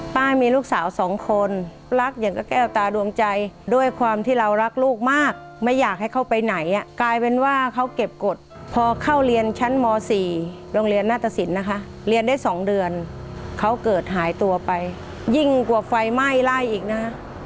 มีลูกสาวสองคนรักอย่างกับแก้วตาดวงใจด้วยความที่เรารักลูกมากไม่อยากให้เข้าไปไหนกลายเป็นว่าเขาเก็บกฎพอเข้าเรียนชั้นม๔โรงเรียนนาตสินนะคะเรียนได้๒เดือนเขาเกิดหายตัวไปยิ่งกว่าไฟไหม้ไล่อีกนะ